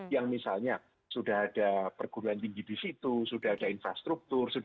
yang misalnya sudah ada perguruan tinggi di situ sudah ada infrastruktur